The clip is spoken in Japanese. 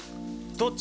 どっち？